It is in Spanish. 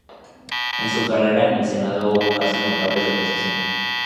En su carrera en el Senado hubo casos notables de oposición.